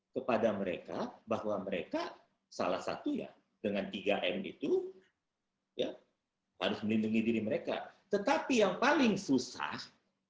kepada mereka bahwa mereka salah satu ya dengan tiga m itu harus melindungi diri mereka tetapi yang paling susah